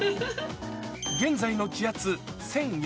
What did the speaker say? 現在の気圧１００４